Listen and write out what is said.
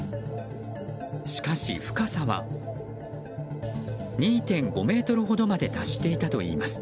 しかし、深さは２．５ｍほどまで達していたといいます。